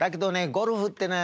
ゴルフってね